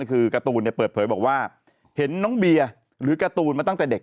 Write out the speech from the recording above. คือการ์ตูนเนี่ยเปิดเผยบอกว่าเห็นน้องเบียร์หรือการ์ตูนมาตั้งแต่เด็ก